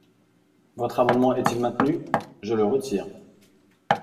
Votre amendement est-il maintenu ? Je le retire.